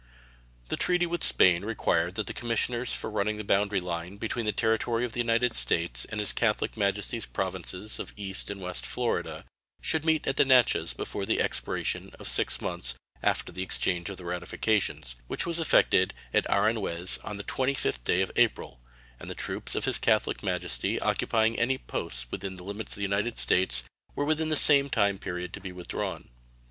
The treaty with Spain required that the commissioners for running the boundary line between the territory of the United States and His Catholic Majesty's provinces of East and West Florida should meet at the Natchez before the expiration of 6 months after the exchange of the ratifications, which was effected at Aranjuez on the 25th day of April; and the troops of His Catholic Majesty occupying any posts within the limits of the United States were within the same time period to be withdrawn.